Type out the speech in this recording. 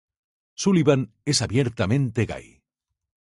Sullivan es abiertamente gay.